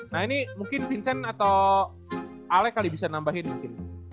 nah ini mungkin vincent atau ale kali bisa nambahin mungkin